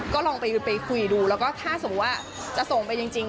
ก็ลองไปคุยดูแล้วก็ถ้าสมมุติว่าจะส่งไปจริง